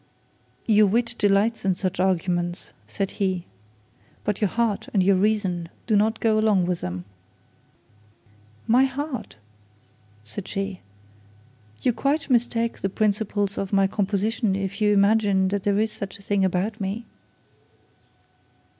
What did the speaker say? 'Your wit delights in such arguments,' said he, 'but your heart and your reason do not quite go along with them.' 'My heart!' said she; 'you quite mistake the principles of my composition if you imagine that there is such a thing about me.'